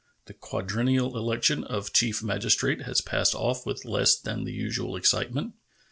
The quadrennial election of Chief Magistrate has passed off with less than the usual excitement.